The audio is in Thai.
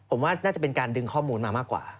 ผมว่าน่าจะเป็นการดึงข้อมูลมามากกว่า